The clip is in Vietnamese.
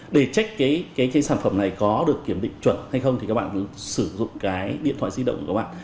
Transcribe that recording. để check cái sản phẩm này có được kiểm định chuẩn hay không thì các bạn sử dụng cái điện thoại di động của các bạn